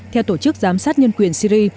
theo tổ chức giám sát nhân quyền syri